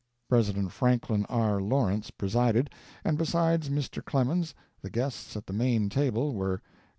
President Frank R. Lawrence presided, and besides Mr. Clemens the guests at the main table were: Gov.